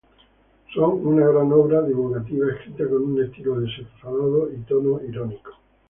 Son una gran obra divulgativa escrita con un estilo desenfadado y tono irónico.